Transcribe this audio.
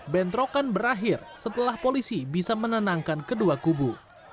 bentrokan berakhir setelah polisi bisa menenangkan kedua kubu